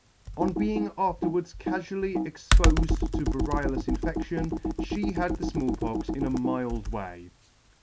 On being afterwards cafually expofed to variolous infection, fhe had the Small Pox in a mild way *.